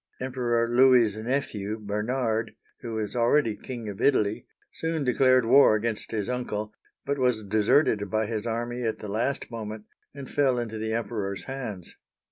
Emperor Louis's nephew Bernard, who was already king of Italy, soon declared war against his uncle, but was de serted by his army at the last moment, and fell into the Emperor's hands.